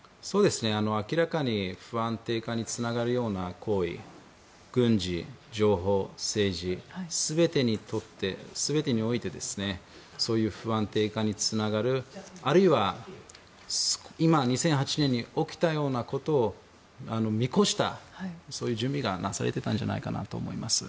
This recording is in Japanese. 明らかに不安定化につながるような行為軍事、情報、政治全てにおいてそういう不安定化につながるあるいは２００８年に起きたようなことを見越した準備がなされてたんじゃないかと思います。